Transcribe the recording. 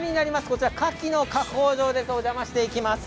こちらカキの加工場です。